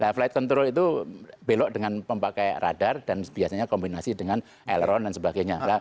flight control itu belok dengan pemakai radar dan biasanya kombinasi dengan aileron dan sebagainya